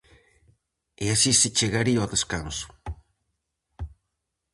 E así se chegaría ao descanso.